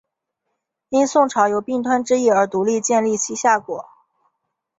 因宋朝有并吞之意而独立建立西夏国。